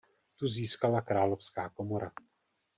Tu získala královská komora.